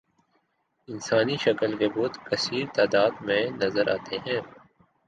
انسانی شکل کے بت کثیر تعداد میں نظر آتے ہیں